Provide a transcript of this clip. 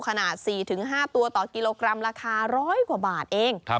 ขนาด๔๕ตัวต่อกิโลกรัมราคา๑๐๐กว่าบาทเอง